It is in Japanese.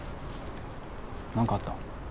何かあった？